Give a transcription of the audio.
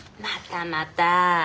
またまた。